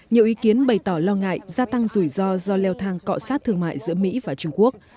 nhiều ý kiến bày tỏ lo ngại gia tăng rủi ro do leo thang cọ sát thương mại giữa mỹ và trung quốc